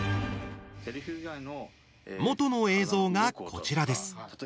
元の映像がこちらです。